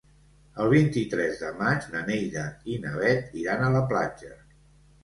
El vint-i-tres de maig na Neida i na Bet iran a la platja.